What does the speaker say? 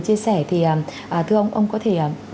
chia sẻ thì thưa ông ông có thể